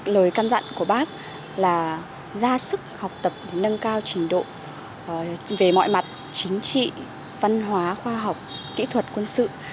lời căn dặn của bác là ra sức học tập nâng cao trình độ về mọi mặt chính trị văn hóa khoa học kỹ thuật quân sự